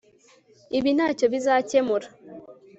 ibi ntacyo bizakemura